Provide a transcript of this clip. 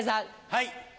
はい。